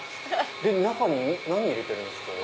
中に何入れてるんですか？